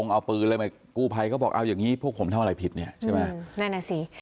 ก็เลยต้องนี่กัน